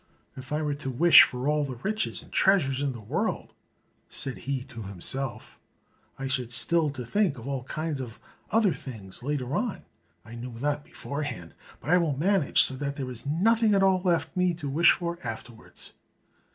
"If I were to wish for all the riches and treasures in the world," said he to himself, "I should still to think of all kinds of other things later on, I know that, beforehand. But I will manage so that there is nothing at all left me to wish for afterwards."